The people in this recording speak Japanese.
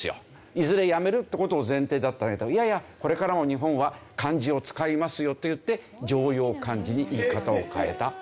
いずれやめるって事を前提だったけどいやいやこれからも日本は漢字を使いますよといって常用漢字に言い方を変えた。